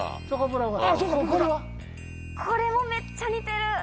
これもめっちゃ似てる！